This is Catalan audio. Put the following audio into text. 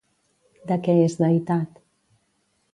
De què és deïtat?